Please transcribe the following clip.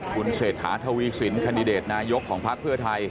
คุณเศรษฐาทวีสินคันดิเดตนายกของพักเพื่อไทย